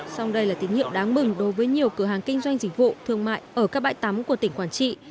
song đây là tín hiệu đáng mừng đối với nhiều cửa hàng kinh doanh dịch vụ thương mại ở các bãi tắm của tỉnh quảng trị